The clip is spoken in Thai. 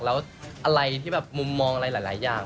แล้วอะไรที่แบบมุมมองอะไรหลายอย่าง